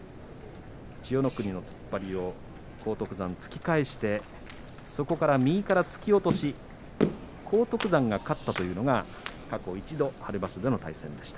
千代の国の突っ張り荒篤山、突き返してそこから右から突き落とし荒篤山が勝ったっていうのが過去、一度あります